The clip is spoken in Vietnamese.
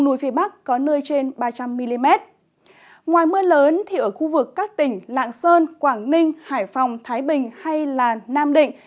ngoài mưa lớn thì ở khu vực các tỉnh lạng sơn quảng ninh hải phòng thái bình hay nam định